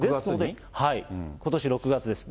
ことし６月です。